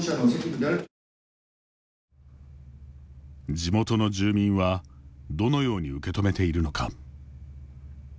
地元の住民はどのように受け止めているのか。